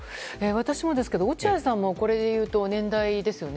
私もですけど、落合さんもこれでいうと年代ですよね。